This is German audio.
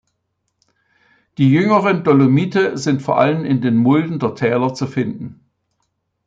Die jüngeren Dolomite sind vor allem in den Mulden der Täler zu finden.